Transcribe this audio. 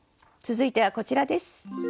続いてはこちらです。